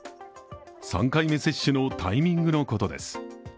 ３回目接種のタイミングのことです。